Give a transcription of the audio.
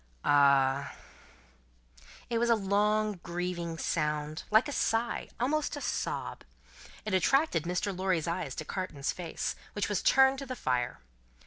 "Ah!" It was a long, grieving sound, like a sigh almost like a sob. It attracted Mr. Lorry's eyes to Carton's face, which was turned to the fire.